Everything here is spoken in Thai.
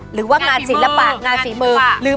หรือว่างานศิลปะงานฝีมือ